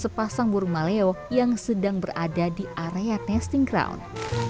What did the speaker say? sepasang burung maleo yang sedang berada di area testing ground